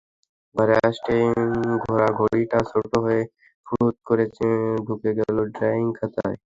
ঘরে আসতেই ঘোরাঘুড়িটা ছোট হয়ে ফুড়ুত করে ঢুকে গেল ড্রয়িং খাতায়।